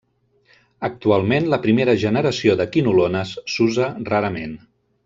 Actualment la primera generació de quinolones s'usa rarament.